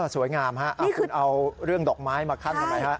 สวยงามค่ะเอาเรื่องดอกไม้มาขั้นกันเลยค่ะ